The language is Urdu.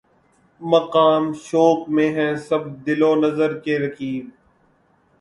مقام شوق میں ہیں سب دل و نظر کے رقیب